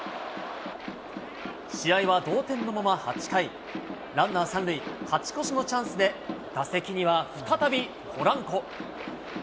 試合は同点のまま８回、ランナー３塁、勝ち越しのチャンスで打席には再び、ポランコ。